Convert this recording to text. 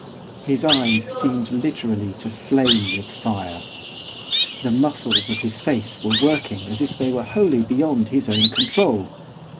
His eyes seemed literally to flame with fire. The muscles of his face were working as if they were wholly beyond his own control.